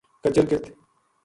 کچر ک